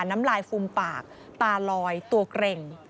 น้ำลายฟูมปากตาลอยตัวเกร็ง